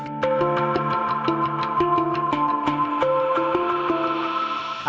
ลูกโทงก็คือเป็นรูปของดอกคุลาบ